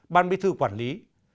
ban bí thư quản lý